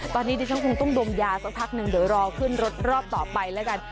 ตอนนี้ดิฉันคงต้องดมยาสักพักหนึ่งเดี๋ยวรอขึ้นรถรอบต่อไปแล้วกัน